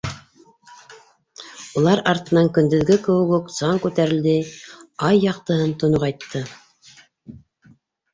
Улар артынан, көндөҙгө кеүек үк, саң күтәрелде, ай яҡтыһын тоноғайтты.